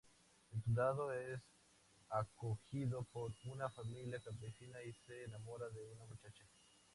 El soldado es acogido por una familia campesina y se enamora de una muchacha.